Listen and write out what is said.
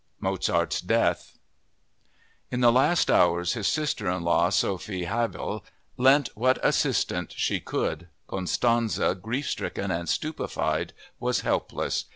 Mozart's Death In the last hours his sister in law, Sophie Haibl, lent what assistance she could. Constanze, grief stricken and stupefied, was helpless.